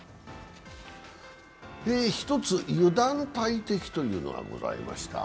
一つ、油断大敵というのがございました。